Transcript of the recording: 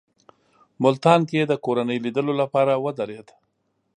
ملتان کې یې د کورنۍ لیدلو لپاره ودرېد.